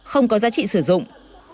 không có giá trị sử dụng